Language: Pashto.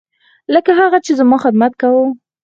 لکه هغه چې زما خدمت کاوه.